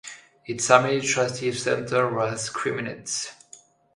Its administrative centre was Kremenets.